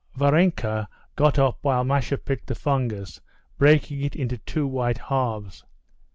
Varenka got up while Masha picked the fungus, breaking it into two white halves.